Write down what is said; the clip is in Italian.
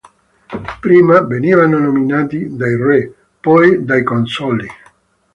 Prima venivano nominati dai re, poi dai consoli.